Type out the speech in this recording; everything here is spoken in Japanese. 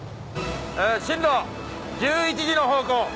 進路１１時の方向！